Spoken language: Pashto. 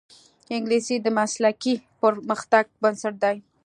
انګلیسي د مسلکي پرمختګ بنسټ دی